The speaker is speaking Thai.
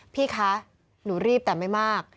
พี่คะหนูรีบแต่ไม่มาก